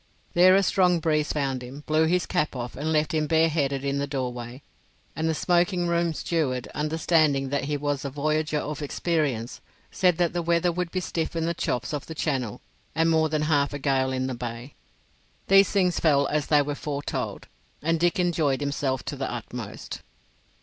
There a strong breeze found him, blew his cap off and left him bareheaded in the doorway, and the smoking room steward, understanding that he was a voyager of experience, said that the weather would be stiff in the chops off the Channel and more than half a gale in the Bay. These things fell as they were foretold, and Dick enjoyed himself to the utmost.